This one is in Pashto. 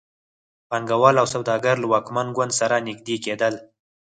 پانګوال او سوداګر له واکمن ګوند سره نږدې کېدل.